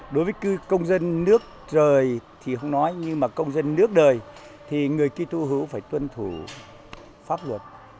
đối với công dân nước trời thì không nói nhưng mà công dân nước đời thì người ký tô hữu phải tuân thủ pháp luật